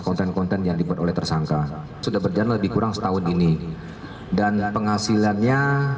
konten konten yang dibuat oleh tersangka sudah berjalan lebih kurang setahun ini dan penghasilannya